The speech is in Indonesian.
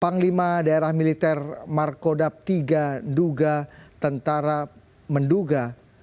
panglima daerah militer markodab iii duga tentara menduga